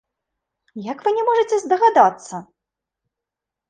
Як вы не можаце здагадацца?